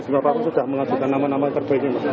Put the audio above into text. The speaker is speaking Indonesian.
masuk lima hari sudah mengadukan nama nama terpilih